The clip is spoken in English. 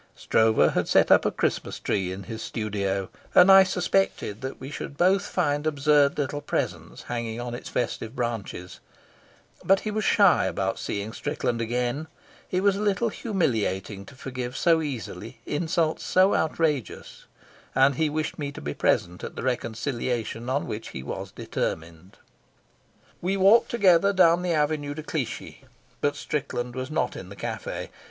Stroeve had set up a Christmas tree in his studio, and I suspected that we should both find absurd little presents hanging on its festive branches; but he was shy about seeing Strickland again; it was a little humiliating to forgive so easily insults so outrageous, and he wished me to be present at the reconciliation on which he was determined. We walked together down the Avenue de Clichy, but Strickland was not in the cafe.